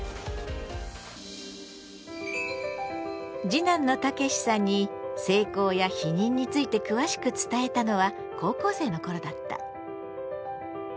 次男のたけしさんに性交や避妊について詳しく伝えたのは高校生の頃だった。